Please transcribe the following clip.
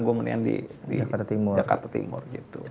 gue mendingan di jakarta timur gitu